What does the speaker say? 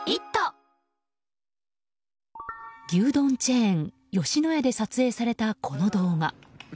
牛丼チェーン吉野家で撮影されたこの動画。